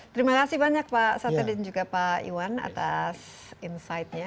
terima kasih banyak pak sate dan juga pak iwan atas insightnya